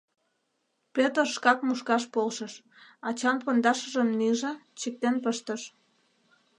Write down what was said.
Пӧтыр шкак мушкаш полшыш, ачан пондашыжым нӱжӧ, чиктен пыштыш.